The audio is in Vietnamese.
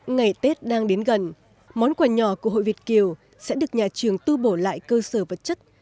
ngày tết đang đến gần món quà nhỏ của hội việt kiều sẽ được nhà trường tu bổ lại cơ sở vật chất